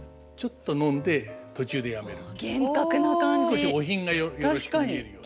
少しお品がよろしく見えるように。